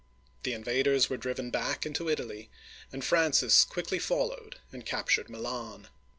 The invaders were driven back into Italy, and Francis quickly followed and captured Milan.